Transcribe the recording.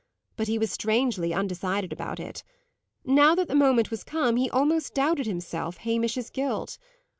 But he was strangely undecided about it. Now that the moment was come, he almost doubted, himself, Hamish's guilt.